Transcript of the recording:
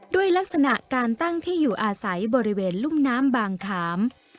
ด้วยลักษณะการตั้งที่อยู่อาศัยบริเวณลุ่มน้ำบางขาม